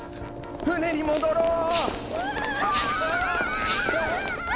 船に戻ろう！